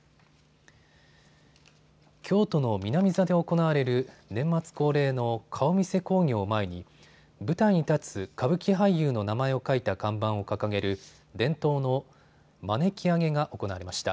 京都の南座で行われる年末恒例の顔見世興行を前に舞台に立つ歌舞伎俳優の名前を書いた看板を掲げる伝統のまねき上げが行われました。